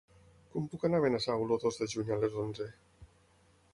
Com puc anar a Benasau el dos de juny a les onze?